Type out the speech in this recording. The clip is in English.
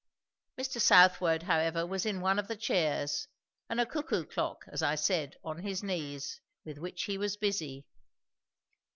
Mr. Southwode however was in one of the chairs, and a cuckoo clock, as I said, on his knees, with which he was busy.